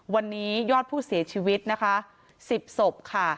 วันนี้ยอดผู้เสียชีวิต๑๐ศพ